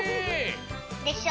でしょ？